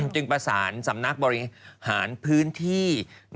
จึงประสานสำนักบริหารพื้นที่